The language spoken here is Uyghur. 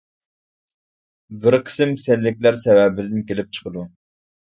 بىر قىسىم كېسەللىكلەر سەۋەبىدىن كېلىپ چىقىدۇ.